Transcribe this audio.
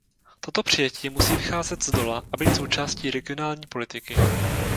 Toto přijetí musí vycházet zdola a být součástí regionální politiky.